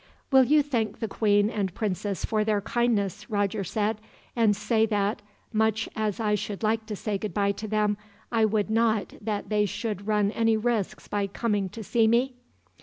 "Will you thank the queen and princess for their kindness," Roger said, "and say that, much as I should like to say goodbye to them, I would not that they should run any risks by coming to see me?"